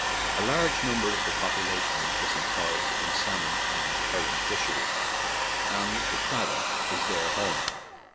A large number of the population is employed in the salmon and herring fish ery, and the Claddagh is their home.